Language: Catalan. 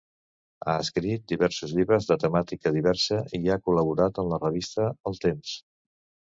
Ha escrit diversos llibres de temàtica diversa i ha col·laborat en la revista El Temps.